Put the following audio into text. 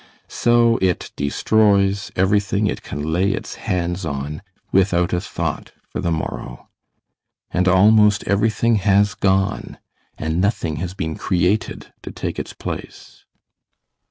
So it destroys everything it can lay its hands on, without a thought for the morrow. And almost everything has gone, and nothing has been created to take its place.